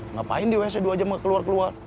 ngapain di wc dua jam keluar keluar